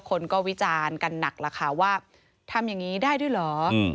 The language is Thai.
คนก็วิจารณ์กันนักละค่ะว่าทำยังงี้ได้ด้วยเหรออืม